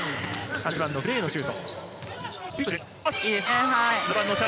８番のグレイのシュート。